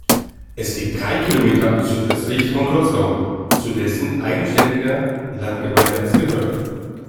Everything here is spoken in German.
Es liegt drei Kilometer südöstlich von Kłodzko, zu dessen eigenständiger Landgemeinde es gehört.